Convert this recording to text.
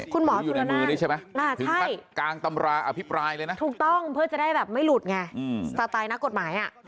คุณหมอชุลานั่นถูกต้องเพื่อจะได้แบบไม่หลุดไงสไตล์นักกฎหมาย